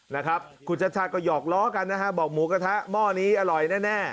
นะครับคุณชาติชาติก็หอกล้อกันนะฮะบอกหมูกระทะหม้อนี้อร่อยแน่